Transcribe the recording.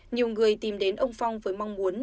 nhiều người tìm đến ông phong với mong muốn